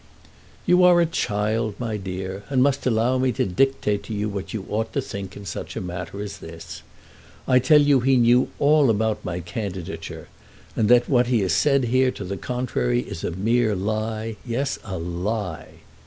"You are a child, my dear, and must allow me to dictate to you what you ought to think in such a matter as this. I tell you he knew all about my candidature, and that what he has said here to the contrary is a mere lie; yes, a lie."